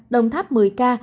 đồng tháp một mươi ca